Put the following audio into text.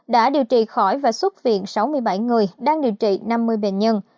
đã điều trị khỏi và xuất viện sáu mươi bảy người đang điều trị năm mươi bệnh nhân